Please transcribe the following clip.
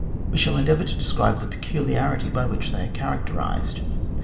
We shall endeavour to describe the peculiarities by which they are characterised.